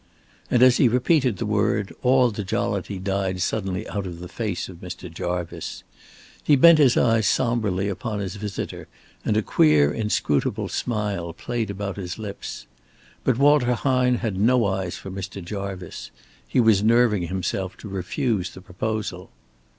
And as he repeated the word, all the jollity died suddenly out of the face of Mr. Jarvice. He bent his eyes somberly upon his visitor and a queer inscrutable smile played about his lips. But Walter Hine had no eyes for Mr. Jarvice. He was nerving himself to refuse the proposal.